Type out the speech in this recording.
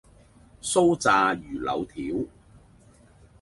酥炸魚柳條